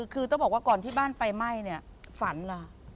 คือต้องบอกว่าก่อนที่บ้านไฟไหม้เนี่ยฝันล่ะ